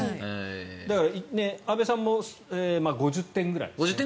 だから、安部さんも５０点ぐらいです。